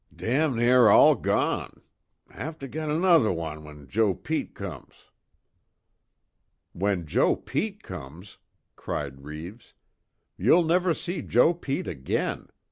"Damn near all gone. Have to get nosher one when Joe Pete comes." "When Joe Pete comes!" cried Reeves, "You'll never see Joe Pete again!